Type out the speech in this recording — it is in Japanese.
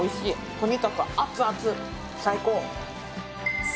とにかく熱々最高！